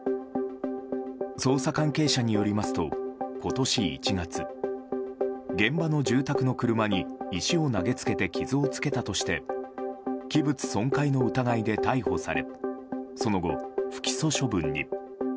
捜査関係者によりますと今年１月現場の住宅の車に石を投げつけて傷をつけたとして器物損壊の疑いで逮捕されその後、不起訴処分に。